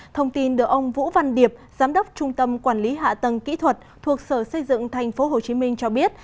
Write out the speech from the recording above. thông tin được ông vũ văn điệp giám đốc trung tâm quản lý hạ tầng kỹ thuật thuộc sở xây dựng thành phố hồ chí minh cho biết